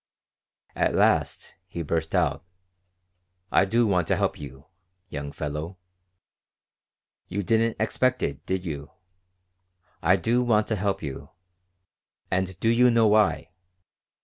At last he burst out: "I do want to help you, young fellow. You didn't expect it, did you? I do want to help you. And do you know why?